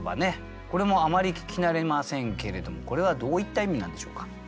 これもあまり聞き慣れませんけれどもこれはどういった意味なんでしょうか。